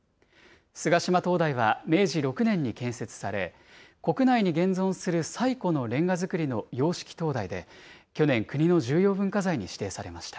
菅島灯台は、明治６年に建設され、国内に現存する最古のレンガ造りの洋式灯台で、去年、国の重要文化財に指定されました。